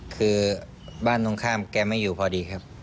คือบ้านตรงข้ามแกไม่อยู่พอดีครับ